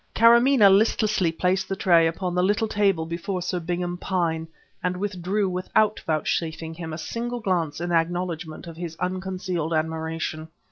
Kâramaneh listlessly placed the tray upon the little table before Sir Byngham Pyne and withdrew without vouchsafing him a single glance in acknowledgment of his unconcealed admiration.